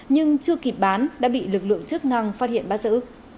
nhưng chưa kịp bán đã bị lực lượng chức năng phát hiện bắt giữ